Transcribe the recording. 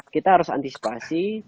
kita harus antisipasi